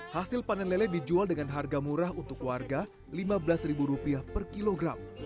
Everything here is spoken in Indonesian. hasil panen lele dijual dengan harga murah untuk warga rp lima belas per kilogram